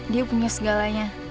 dia punya segalanya